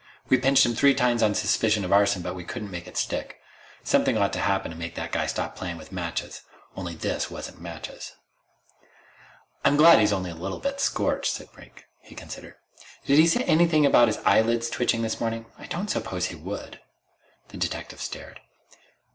We've pinched him three times on suspicion of arson, but we couldn't make it stick. Something ought to happen to make that guy stop playin' with matches only this wasn't matches." "I'm glad he's only a little bit scorched," said Brink. He considered. "Did he say anything about his eyelids twitching this morning? I don't suppose he would." The detective stared.